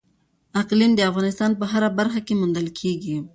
اقلیم د افغانستان په هره برخه کې موندل کېږي.